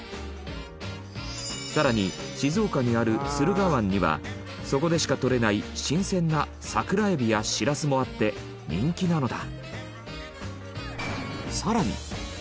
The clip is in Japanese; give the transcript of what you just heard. さらに静岡にある駿河湾にはそこでしか取れない新鮮な桜エビやしらすもあって人気なのだ。